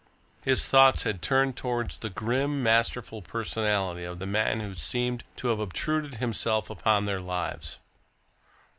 His thoughts had turned towards the grim, masterful personality of the man who seemed to have obtruded himself upon their lives.